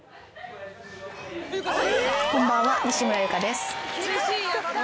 こんばんは西村ゆかです。